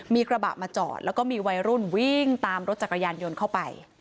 มีกระบะมาจอดแล้วก็มีวัยรุ่นวิ่งตามรถจักรยานยนต์เข้าไป